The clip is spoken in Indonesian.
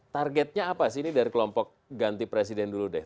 targetnya apa sih ini dari kelompok ganti presiden dulu deh